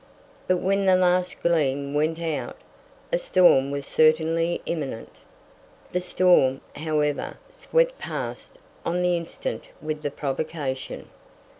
But when the last gleam went out, a storm was certainly imminent. The storm, however, swept past on the instant with the provocation.